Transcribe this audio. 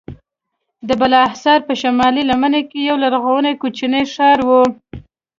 د بالاحصار په شمالي لمنه کې یو لرغونی کوچنی ښار و.